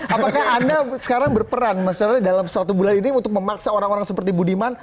apakah anda sekarang berperan misalnya dalam satu bulan ini untuk memaksa orang orang seperti budiman